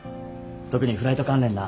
特にフライト関連な。